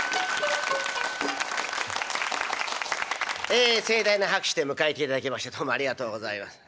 え盛大な拍手で迎えていただきましてどうもありがとうございます。